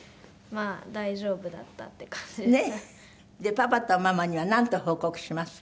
パパとママにはなんと報告しますか？